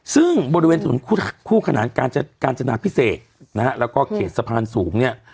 ซึ่งบริเวณถนนคู่ขนานกาญจนาพิเศษนะฮะแล้วก็เขตสะพานสูงเนี่ย